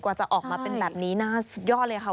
จะออกมาเป็นแบบนี้น่าสุดยอดเลยค่ะ